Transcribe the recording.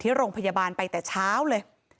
ที่โรงพยาบาลไปแต่เช้าเลย